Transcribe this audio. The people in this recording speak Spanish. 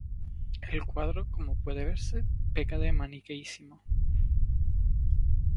El cuadro, como puede verse, peca de maniqueísmo.